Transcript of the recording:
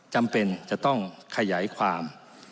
จำเป็นจะต้องขยายความ